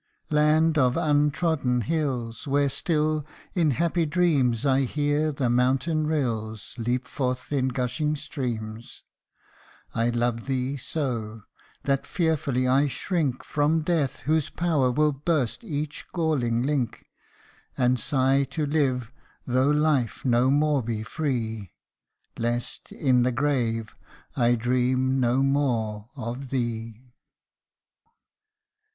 Land of untrodden hills ! Where still, in happy dreams, I hear the mountain rills, Leap forth in gushing streams : I love thee so, that fearfully I shrink From death, whose power will burst each galling link ; And sigh to live, though life no more be free, Lest, in the grave, I dream no more of thee